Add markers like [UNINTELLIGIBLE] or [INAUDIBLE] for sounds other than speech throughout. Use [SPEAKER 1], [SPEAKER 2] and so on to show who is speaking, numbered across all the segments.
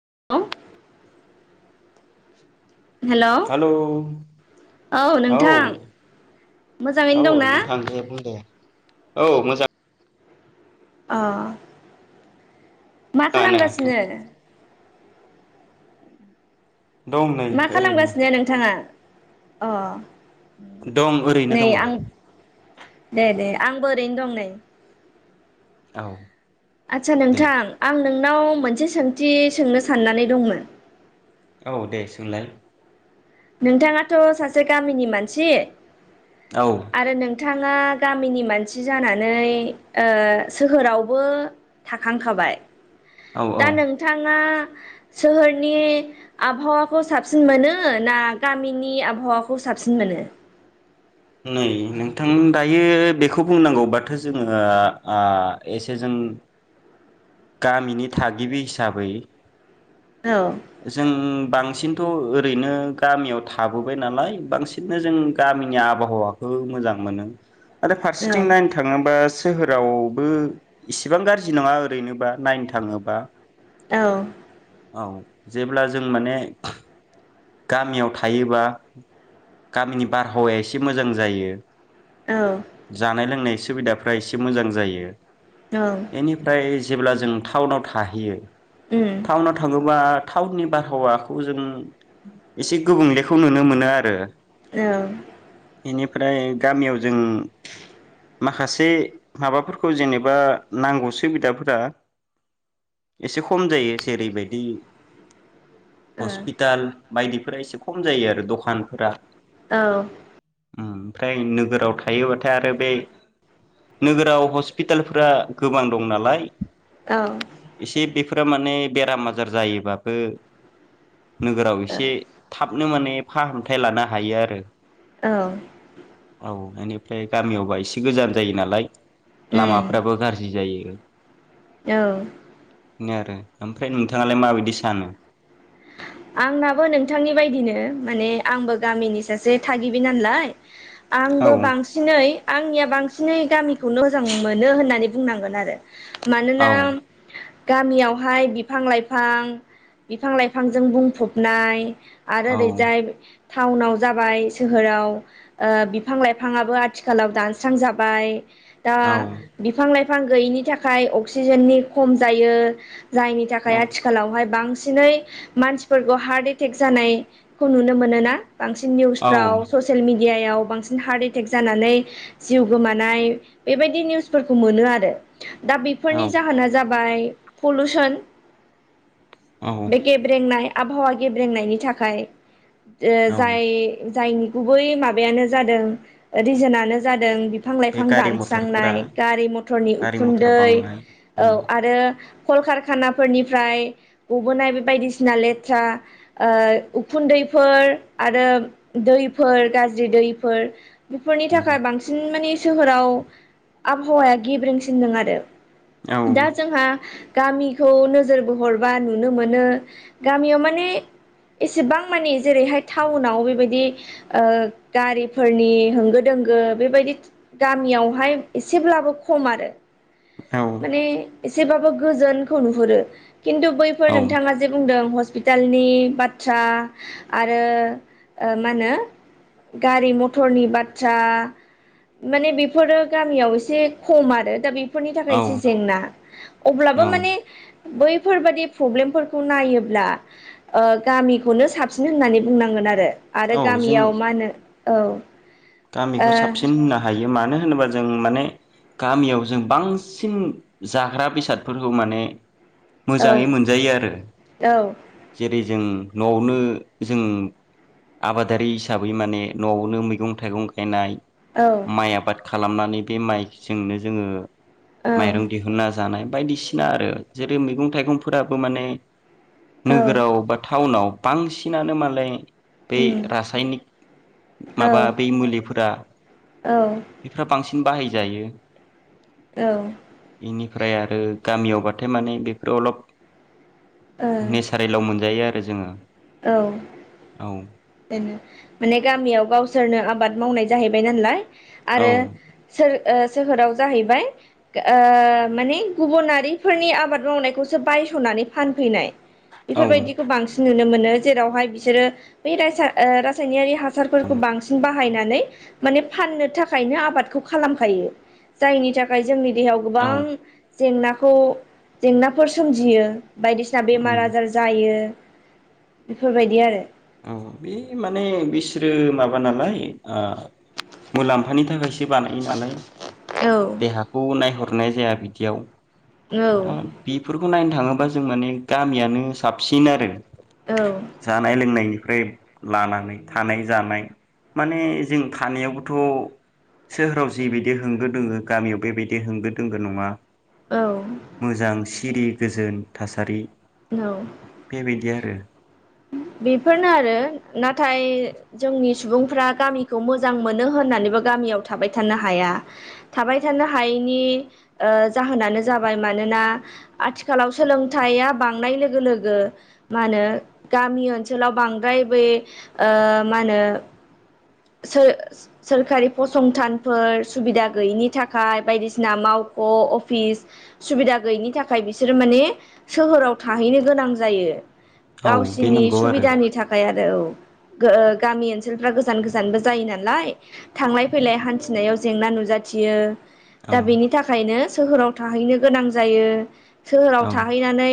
[SPEAKER 1] [UNINTELLIGIBLE]
[SPEAKER 2] Hello औ
[SPEAKER 1] मोजाङैनो
[SPEAKER 2] औ
[SPEAKER 1] दंना
[SPEAKER 2] नोंथां दे बुं दे। औ मोजां।
[SPEAKER 1] अ मा
[SPEAKER 2] मोजाङानो
[SPEAKER 1] खालामगासिनो?
[SPEAKER 2] दं नै
[SPEAKER 1] मा
[SPEAKER 2] ओरैनो
[SPEAKER 1] खालामगासिनो नोंथाङा? अ
[SPEAKER 2] दं ओरैनो
[SPEAKER 1] नै
[SPEAKER 2] दङ।
[SPEAKER 1] आं दे दे आंबो ओरैनो दं नै।
[SPEAKER 2] औ
[SPEAKER 1] आच्छा नोंथां आं नोंनाव मोनसे सोंथि सोंनो साननानै दंमोन।
[SPEAKER 2] औ दे सोंलाय।
[SPEAKER 1] नोंथाङाथ' सासे गामिनि मानसि।
[SPEAKER 2] औ
[SPEAKER 1] आरो नोंथाङा गामिनि मानसि जानानै ओ सोहोरावबो थाखां खाबाय।
[SPEAKER 2] औ
[SPEAKER 1] दा
[SPEAKER 2] औ
[SPEAKER 1] नोंथाङा सोहोरनि आबहावाखौ साबसिन मोनो ना गामिनि आबहावाखौ साबसिन मोनो?
[SPEAKER 2] नै नोंथां दायो बेखौ बुंनांगौबाथो जोङो ओ एसे जों गामिनि थागिबि हिसाबै
[SPEAKER 1] औ
[SPEAKER 2] जों बांसिनथ' ओरैनो गामियाव थाबोबाय नालाय बांसिननो जों गामिनि आबहावाखौ मोजां मोनो। आरो
[SPEAKER 1] औ
[SPEAKER 2] फारसेथिं नायनो थाङोबा सोहो रावबो इसिबां गाज्रि नङा ओरैनोबा नायनो थाङोबा।
[SPEAKER 1] औ
[SPEAKER 2] औ जेब्ला जों माने गामियाव थायोबा गामिनि बारहावाया एसे मोजां जायो।
[SPEAKER 1] औ
[SPEAKER 2] जानाय लोंनाय सुबिदाफ्रा एसे मोजां जायो
[SPEAKER 1] औ
[SPEAKER 2] एनिफ्राय जेब्ला जों टाउनाव थाहैयो
[SPEAKER 1] उम
[SPEAKER 2] टाउनाव थाङोबा टाउननि बारहावाखौ जों एसे गुबुंलेखौ नुनो मोनो आरो
[SPEAKER 1] औ
[SPEAKER 2] निफ्राय गामियाव जों माखासे माबाफोरखौ जेनेबा नांगौ सुबिदाफोरा एसे खम जायो जेरैबायदि
[SPEAKER 1] औ
[SPEAKER 2] हस्पिटाल बायदिफोरा एसे खम जायो आरो दखानफोरा
[SPEAKER 1] औ
[SPEAKER 2] उम ओमफ्राय नोगोराव थायोबाथाय आरो बे नोगोराव हस्पिटालफोरा गोबां दं नालाय
[SPEAKER 1] औ
[SPEAKER 2] बेफोर माने बेराम आजार जायोबाबो नोगोराव ए थाबनो माने फाहामथाय लानो हायो आरो
[SPEAKER 1] औ
[SPEAKER 2] औ बेनिफ्राय गामियावबा एसे गोजान जायो नालाय
[SPEAKER 1] उम
[SPEAKER 2] लामाफ्राबो गाज्रि जायो
[SPEAKER 1] औ
[SPEAKER 2] नो आरो ओमफ्राय नोंथाङालाय माबायदि सानो
[SPEAKER 1] आंनाबो नोंथांनि बायदिनो माने आंबो गामिनि सासे थागिबि नालाय आंबो
[SPEAKER 2] औ-औ-औ-औ-औ-औ-औ-औ
[SPEAKER 1] बांसिनै आंनिया बांसिनै गामिखौ मोजां मोनो होननानै बुंनांगोन आरो मानोना गामियावहाय बिफां लाइफां बिफां लाइ फांजों बुंफबनाय आरो ओरैजाय टाउनाव जाबाय सोहोराव ओ बिफां लाइफाङाबो आथिखालाव दानस्रांजाबाय दा बिफां लाइ फां गैयिनि थाखाय अक्सिजेननि खम जायो जायनि थाखाय आथिखालावहाय बांस सिनै मानसिफोरखौ हार्ट एटेक जानायखौ नुनो मोनो ना बांसिन निउसफ्राव ससियेल मि डियायाव बांसिन हार्ट एटेक जानानै जिउ गोमानाय बेबायदि निउसफोरखौ मोनो आरो दा बेफोरनि जाहोना जाब जाबाय पलुसन
[SPEAKER 2] औ
[SPEAKER 1] नाय आबहावा गेब्रेंनायनि थाखाय ओ जाय जायनि गुबै माबायानो जादों रिजोनानो जादों बिफां
[SPEAKER 2] बे
[SPEAKER 1] लाइफां
[SPEAKER 2] गारि मथरफोरा
[SPEAKER 1] दानस्रांनाय गारि मथरनि
[SPEAKER 2] गारि मथर
[SPEAKER 1] उखुन्दै
[SPEAKER 2] बांनाय
[SPEAKER 1] औ आरो कलकारखानाफोरनिफ्राय गबोनाय बे बदिस सिना लेथ्रा ओ उखुन्दैफोर आरो दैफोर गाज्रि दैफोर बेफोरनि थाखाय बांसिन माने सोहोराव आबहावाया गेब्रेंसिनदों आरो दा जोंहा गामिखौ नोजोर बोहोर बा नुनो मोनो गामियाव माने एसेबां माने जेरैहाय टाउनाव बेबायदि गारिफोरनि होंगो दोंगो बेबायदि गामियावहाय एसेब्लाबो खमआरो माने एसेबाबो गोजोनखौ नुहुरो खिन्थु बैफोर
[SPEAKER 2] औ-औ-औ-औ-औ-औ
[SPEAKER 1] नोंथाङा जे बुंदों हस्पिटालनि बाथ्रा आरो ओ माहोनो गारि मथरनि बाथ्रा माने बेफोरो गामियाव एसे खम आरो दा बेफोरनि जि जेंना अब्लाबो माने बैफोरबादि प्रब्लेमफोरखौ नायोब्ला ओ गामिखौनो साबसिन होननानै बुंनांगोन आरो आरो
[SPEAKER 2] जों
[SPEAKER 1] गामियाव मा होनो औ
[SPEAKER 2] गामिखौ साबसिन होनो हायो मानो मानो होनोबा जों माने गामियाव जों बांसिन जाग्रा बेसादफोरखौ माने
[SPEAKER 1] ओ औ
[SPEAKER 2] मोजाङै मोनजायो आरो
[SPEAKER 1] औ
[SPEAKER 2] जेरै जों नआवनो जों आबादारि हिसाबै माने नआवनो मैगं थाइगं गायनाय
[SPEAKER 1] औ
[SPEAKER 2] माइ आबाद खालामनानै नै से माइजोंनो जोंङो माइरं दिहुनना जानाय बायदिसिना आरो जेरै मैगं थाइगंफोराबो माने
[SPEAKER 1] औ
[SPEAKER 2] नोगोराव बा टाउनाव बांसिनानो मालाय बै
[SPEAKER 1] उम
[SPEAKER 2] रासायनिक
[SPEAKER 1] औ
[SPEAKER 2] माबा बै मुलिफोरा
[SPEAKER 1] औ
[SPEAKER 2] बेफ्रा बांसिन बाहायजायो।
[SPEAKER 1] औ
[SPEAKER 2] बेनिफ्राय आरो गामियावबाथाय माने बेफोराव अलप नेचारेलाव मोनजायो आरो जोंङो
[SPEAKER 1] औ बेनो माने गामियाव गावसोरनो आबाद मावनाय जाहैबाय नालाय
[SPEAKER 2] औ
[SPEAKER 1] आरो सोर ओ सोहोराव जाहैबाय गो माने गुबुनारिफोरनि आबाद मावनायखौसो बायस'नानै फानफैनाय
[SPEAKER 2] औ
[SPEAKER 1] बेफोरबायदिखौ बांसिन नु नो जेरावहाय बिसोरो बै रासा ओ रासायनारि हासारफोरखौ बांसिन बाहायनानै मानि फाननो थाखायनो आबादखौ खालामखायो जायनि थाखाय जोंनि देहायाव गोबां
[SPEAKER 2] औ
[SPEAKER 1] जेंनाखौ जेंनाफोर सोमजियो। बायदिसिना बेमार
[SPEAKER 2] उम
[SPEAKER 1] आजार जायो। बेफोरबायदि आरो
[SPEAKER 2] औ बे माने बिसोरो माबा नालाय ओ मुलाम मानि थाखाय बानायो नालाय
[SPEAKER 1] औ
[SPEAKER 2] देहाखौ नायहर नाय जाया बिदियाव
[SPEAKER 1] औ
[SPEAKER 2] दा बिफोरखौ नाय थाङोबा जों माने गामियानो साबसिन आरो।
[SPEAKER 1] औ
[SPEAKER 2] जानाय लोंनाय निफ्राय लानानै थानाय जानाय माने जों थानायावबोथ' सोहोराव जिबायदि होंगो दोङो गामियाव बेबायदि होंगो दोंगो नङा।
[SPEAKER 1] औ
[SPEAKER 2] मोजां सिरि गोजोन थासारि।
[SPEAKER 1] औ
[SPEAKER 2] बेबायदि आरो
[SPEAKER 1] बेफोरनो आरो नाथाय जोंनि सुबुंफ्रा गामिखौ मोजां मोनो होननानैबो गामियाव थाबाय थानो हाया थाबाय थानो हायैनि ओ जाहोनानो जाबाय मानोना आथिखालाव सोलोंथाइया बांनाय लोगो लोगो मा होनो गामि ओनसोलाव बांद्राय बेै ओ मा होनो सोर सोरखारि फसंथानफोर सुबिदा गैयिनि थाखाय बायदिसिना मावख' अफिस सुबिदा गैयिनि थाखाय बिसोरो माने सोहोराव थाहैनो गोनां जायो।
[SPEAKER 2] औ बे
[SPEAKER 1] गावसिनि
[SPEAKER 2] नंगौ आरो
[SPEAKER 1] सुबिदानि थाखाय आरो औ। गो गामि ओनसोलफ्रा गोजान गोजा गोजानबो जायो नालाय थांलाय फैलाय हान्थिनायाव जेंना नुजाथियो।
[SPEAKER 2] औ
[SPEAKER 1] दा बेनि थाखायनो सोहोराव थाहैनो गोनां जायो। सोहोराव
[SPEAKER 2] औ
[SPEAKER 1] थाहैनानै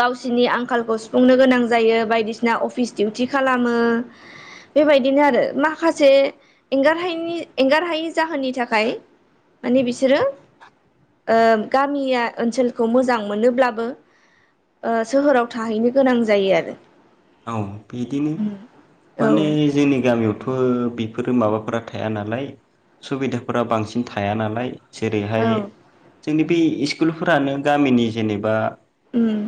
[SPEAKER 1] गावसिनि आंखालखौ सुफुंनो गोनां जायो बायदिसिना अफिस दिउटि खालामो बेबायदि बिदिनो आरो माखासे एंगारहायिनि एंगारहायै जाहोननि थाखाय माने बिसोरो ओ गामिया ओनसोलखौ मोजां मोनोब्लाबो सोहोराव थाहैनो गोनां जायो आरो।
[SPEAKER 2] औ बिदिनो
[SPEAKER 1] औ
[SPEAKER 2] माने जोंनि गामियाव बो बेफोरो माबाफोरा थाया नालाय सुबिदाफोरा बांसिन थाया नालाय
[SPEAKER 1] औ
[SPEAKER 2] जेरैहाय जोंनि बे इस्कुलफोरानो गामिनि जेनेबा
[SPEAKER 1] उम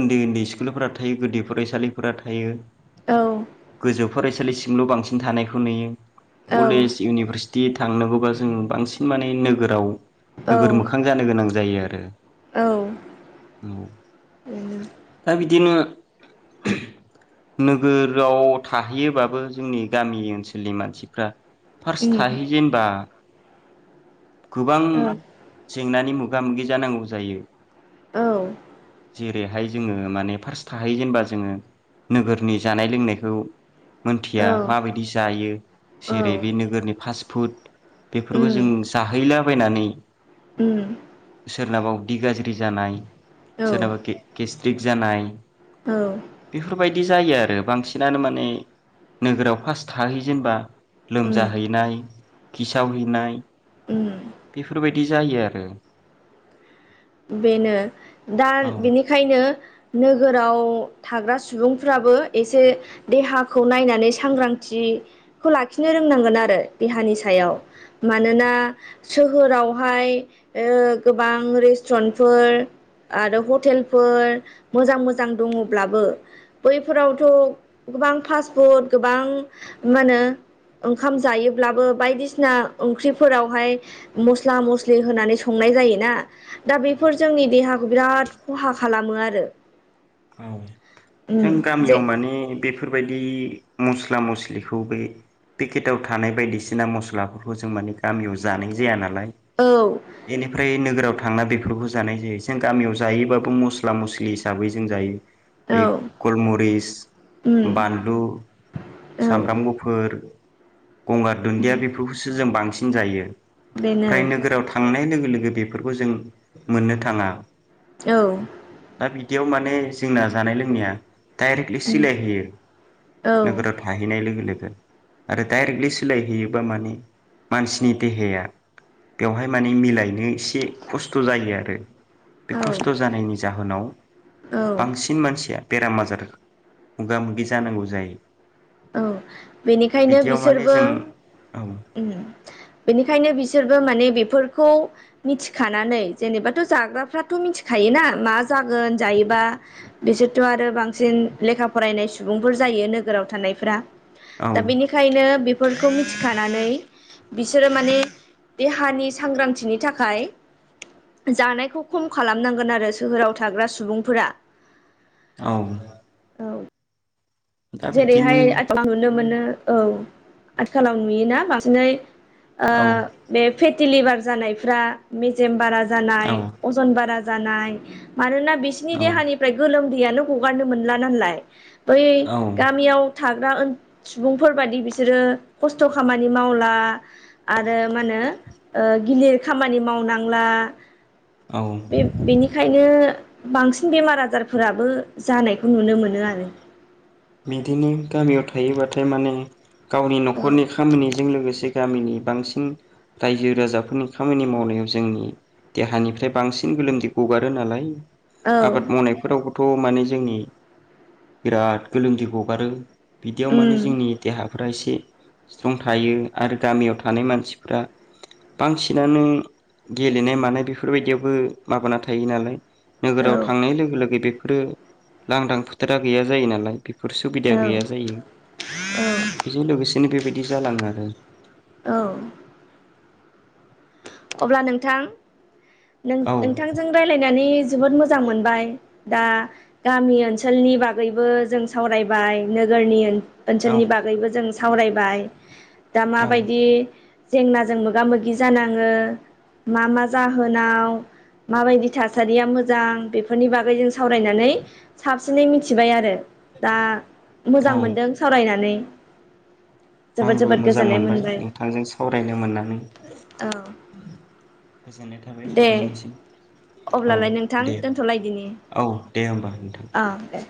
[SPEAKER 2] उन्दै उन्दै सिक स्कुलफोरा थायो गोदि फरायसालि फोरा थायो
[SPEAKER 1] औ
[SPEAKER 2] फरायसालिसिमल बांसिन थानायखौ नुयो।
[SPEAKER 1] औ
[SPEAKER 2] कलेज इउनिभारसिट बिदि थांनांगौबा जों बांसिन माने नोगोराव
[SPEAKER 1] औ
[SPEAKER 2] नोगोर मोखां जानो गोनां जा जायो आरो। औ
[SPEAKER 1] बेनो
[SPEAKER 2] दा बिदिनो [INAUDIBLE] नोगोराव थाहैयोबाबो जोंनि गामि ओनसोलनि मानसिफ्रा
[SPEAKER 1] उम
[SPEAKER 2] फार्स्ट थाहै जेनबा गोबां
[SPEAKER 1] औ
[SPEAKER 2] जेंनानि मो गा मोगि जानांगौ जायो।
[SPEAKER 1] औ
[SPEAKER 2] जेरैहाय जोङो माने फार्स्ट थाहै जेनबा जोङो नोगोरनि जानाय लोंनायखौ
[SPEAKER 1] औ
[SPEAKER 2] मोनथिया माबायदि जायो
[SPEAKER 1] औ
[SPEAKER 2] जेरै बे नोगोरनि फास फुट बेफोरखौ
[SPEAKER 1] उम
[SPEAKER 2] जों जाहैला बायनानै
[SPEAKER 1] उम
[SPEAKER 2] सोरनबा उदि गाज्रि जानाय
[SPEAKER 1] औ
[SPEAKER 2] सोरनाबा गे-गेस टिक जानाय
[SPEAKER 1] औ
[SPEAKER 2] बेफोरबायदि जायो आरो बांसिनानो माने नोगोराव फार्स्ट थाहै जेनबा
[SPEAKER 1] उम
[SPEAKER 2] लोमजाहैनाय खिसावहैनाय
[SPEAKER 1] उम
[SPEAKER 2] बेफोरबाय बिदि जायो आरो
[SPEAKER 1] बेनो दा
[SPEAKER 2] औ
[SPEAKER 1] बिनिखायनो नोगोराव थाग्रा सुबुंफ्राबो एसे देहाखौ नायनानै सांग्रांथिखौ लाखिनो रोंनांगोन आरो देहानि
[SPEAKER 2] औ
[SPEAKER 1] सायाव मानोना
[SPEAKER 2] औ
[SPEAKER 1] सोहोरावहाय ओ गोबां रेस स्टुरेन्टफोर आरो हटेलफोर मोजां मोजां दङब्लाबो बैफोरावथ' गोबां फास फुट गोबां मा होनो ओंखाम जायोब्लाबो बायदिसिना ओंख्रिफोरावहाय मस्ला मस्लि होनानै संनाय जायोना दा बेफोर जोंनि देहाखौ बिराद खहा खालामो आरो
[SPEAKER 2] औ जों
[SPEAKER 1] उम जे
[SPEAKER 2] गामियाव माने बे फोरबायदि मस्ला मस्लिखौ बे पेकेटाव थानाय बायदिसिना मस्लाफोरखौ जों माने गामियाव जानाय जाया नालाय
[SPEAKER 1] औ
[SPEAKER 2] बेनिफ्राय नोगोराव था थांना बेफोरखौ जानाय जायो जों गामियाव जायोबाबो मस्ला मस्लि हिसाबै जों जायो
[SPEAKER 1] औ
[SPEAKER 2] बे गलमरिस
[SPEAKER 1] उम
[SPEAKER 2] बानलु
[SPEAKER 1] औ
[SPEAKER 2] सामब्राम गुफुर गंगार दुन्दिया बेफोरखौसो जों बांसिन सिन जायो।
[SPEAKER 1] बेनो
[SPEAKER 2] फ्राय नोगोराव थांनाय लोगो लोगो बेफोरखौ जों मोननो थाङा।
[SPEAKER 1] औ।
[SPEAKER 2] दियाव माने जोंना जानाय लोंनाया डाइरेक्टलि
[SPEAKER 1] उम
[SPEAKER 2] सिलाय होयो नोगोराव
[SPEAKER 1] औ
[SPEAKER 2] थाहैनाय लोगो लोगो आरो डायरेक्टलि सोलायहैयोबा माने मानसिनि देहाया बेवहाय माने मिलायनो एसे खस्थ' जायो आरो। बे
[SPEAKER 1] औ
[SPEAKER 2] खस्थ' जानायनि जाहोनाव
[SPEAKER 1] औ
[SPEAKER 2] बांसिन मानसि बेराम आजार मोगा मोगि जानांगौ जायो।
[SPEAKER 1] औ
[SPEAKER 2] दा
[SPEAKER 1] बेनिखायनो
[SPEAKER 2] बिदियाव माने
[SPEAKER 1] बिसोरबो
[SPEAKER 2] जों औ
[SPEAKER 1] बेनिखायनो बिसोरबो माने बेफोखौ मिथिखानानै जेनेबाथ' जाग्राफाथ' मिथिखायोना मा जागोन जायोबा बिसोरथ' आरो बांसिन लेखा फरायनाय सुबुंफोर जायो नोगोराव थानाय फ्रा।
[SPEAKER 2] औ
[SPEAKER 1] दा बेनिखायनो बेफोर बेखौ मिथिखानानै बिसोरो माने देहानि सांग्रांथिनि थाखाय जानायखौ खम खालामनांगोन आरो सोहोराव थाग्रा सुबुंफोरा।
[SPEAKER 2] औ।
[SPEAKER 1] औ।
[SPEAKER 2] दा
[SPEAKER 1] जेरैहाय
[SPEAKER 2] बिदिनो
[SPEAKER 1] आथिखालाव नुनो मोनो औ आथिखालाव नुयोना बांसिनै ओ
[SPEAKER 2] औ
[SPEAKER 1] बे दिलिभार जानायफ्रा मेजेम बारा जानाय
[SPEAKER 2] औ
[SPEAKER 1] अजन बारा जानाय मानोना बिसिनि
[SPEAKER 2] औ
[SPEAKER 1] देहानिफ्राय गोलोम दैयानो हगारनो मोनला नाललाय बै
[SPEAKER 2] औ
[SPEAKER 1] गामियाव थाग्रा दा ओ सुबुंफोरबादि बिसोरो खस्थ' खामानि मावला आरो मा होनो ओ गिलिर खामानि मावनांला
[SPEAKER 2] औ
[SPEAKER 1] बे बेनिखायनो बांसिन बेमार आजारफोराबो जानायखौ नुनो मोनो आरो।
[SPEAKER 2] बिदिनो गामियाव थायोबाथाय माने गावनि
[SPEAKER 1] औ
[SPEAKER 2] नखरनि खामानि जों लोगोसे गामिनि बांसिन रायजो राजाफोरनि खामानि मावनायाव जोंनि देहानिफ्राय बांसिन गोलोमदै गगारो नालाय। आबाद
[SPEAKER 1] औ
[SPEAKER 2] मावनायफोरावबोथ' माने जोंनि बिराद गोलोमदै गगारो। बिदियाव माने
[SPEAKER 1] उम
[SPEAKER 2] जोंनि देहाफो रा एसे स्ट्रं थायो। आरो गामियाव थानाय मानसिफ्रा बांसिनानो गेलेनाय मानाय बेफोरबायदियावबो माबाना थायो नालाय
[SPEAKER 1] औ
[SPEAKER 2] नोगोराव थांनाय लोगो लोगो बे रो लांदां फोथारा गैया जायो नालाय बेफोर सुबिदा गैया
[SPEAKER 1] औ
[SPEAKER 2] जायो। बेजों लोगोसेनो बेबाय दि जालाङो आरो।
[SPEAKER 1] औ। अब्ला नोंथां नों
[SPEAKER 2] औ
[SPEAKER 1] नोंथांजों रायलायनानै जोबोद मोजां मोनबाय। दा गामि ओनसोलनि बागैबो जों सावरायबाय नोगोरनि
[SPEAKER 2] औ
[SPEAKER 1] ओनसोलनि बागैबो जों सावरायबाय। दा
[SPEAKER 2] औ
[SPEAKER 1] माबायदि जेंनाजों मोगा मोगि जाना ङो मा मा जाहोनाव माबायदि थासारिया मोजां बेफोरनि बागै जों सावरायनानै साबसिनै मिथिबाय आरो। दा
[SPEAKER 2] औ
[SPEAKER 1] मोजां मोनदों सावरायनानै। जोबोद
[SPEAKER 2] आंबो
[SPEAKER 1] जोबोद
[SPEAKER 2] मोजां
[SPEAKER 1] गोजोननाय
[SPEAKER 2] मोनबाय नोंथांजों सावरायनो मोननानै।
[SPEAKER 1] औ।
[SPEAKER 2] गोजोननाय थाबाय
[SPEAKER 1] दे
[SPEAKER 2] नोंथांनिसिम। औ
[SPEAKER 1] अब्लालाय नोंथां
[SPEAKER 2] दे
[SPEAKER 1] दोनथ'लायदिनि
[SPEAKER 2] औ दे होमबा नोंथां।
[SPEAKER 1] औ दे